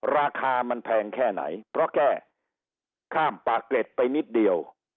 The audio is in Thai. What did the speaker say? ราคามันแพงแค่ไหนเพราะแค่ข้ามปากเกร็ดไปนิดเดียว